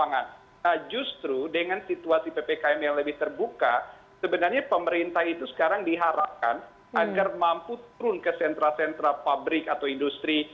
nah justru dengan situasi ppkm yang lebih terbuka sebenarnya pemerintah itu sekarang diharapkan agar mampu turun ke sentra sentra pabrik atau industri